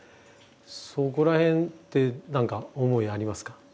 そこら辺って何か思いありますか？